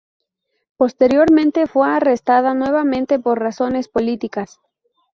Posteriormente, fue arrestada nuevamente por razones políticas.